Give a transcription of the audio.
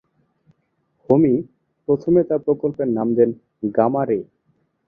হোমি প্রথমে তার প্রকল্পের নাম দেন গামা রে।